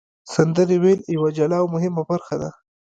سندرې ویل یوه جلا او مهمه برخه ده.